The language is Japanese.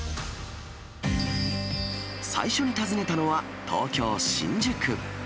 最初に訪ねたのは、東京・新宿。